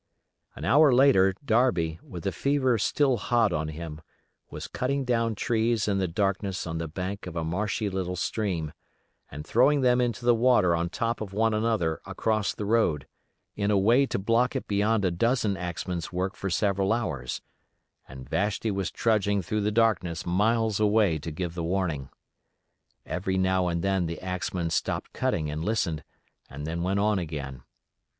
An hour later Darby, with the fever still hot on him, was cutting down trees in the darkness on the bank of a marshy little stream, and throwing them into the water on top of one another across the road, in a way to block it beyond a dozen axemen's work for several hours, and Vashti was trudging through the darkness miles away to give the warning. Every now and then the axeman stopped cutting and listened, and then went on again.